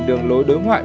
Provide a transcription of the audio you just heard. đường lối đối ngoại